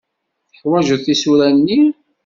Teḥwajeḍ tisura-nni?